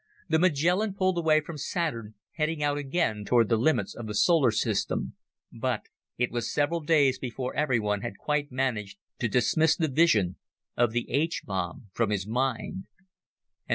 The Magellan pulled away from Saturn, heading out again toward the limits of the solar system, but it was several days before everyone had quite managed to dismiss the vision of the H bomb from his mind.